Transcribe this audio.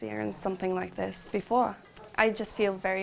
kami tidak pernah mengalami pengalaman seperti ini sebelumnya